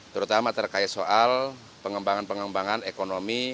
terutama terkait soal pengembangan pengembangan ekonomi